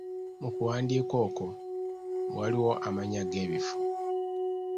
Mu kuwandiika okwo, waliwo amannya g'ebifo.